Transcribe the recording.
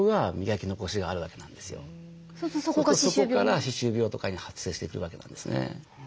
そうするとそこから歯周病とかに発生してくるわけなんですね。